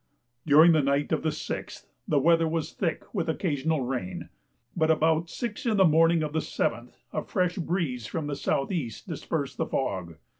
During the night of the 6th the weather was thick with occasional rain, but about 6 in the morning of the 7th a fresh breeze from the south east dispersed the fog.